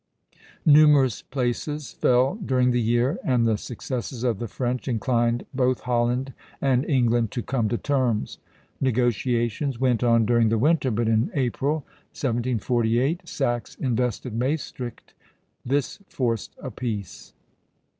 Numerous places fell during the year, and the successes of the French inclined both Holland and England to come to terms. Negotiations went on during the winter; but in April, 1748, Saxe invested Maestricht. This forced a peace.